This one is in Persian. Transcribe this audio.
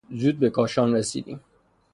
زود به کاشان رسیدیم.